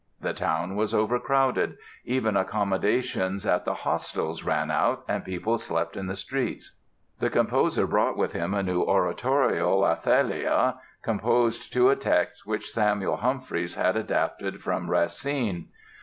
The town was overcrowded; even accommodations at the hostels ran out and people slept in the streets." The composer brought with him a new oratorio, "Athalia", composed to a text which Samuel Humphreys had adapted from Racine.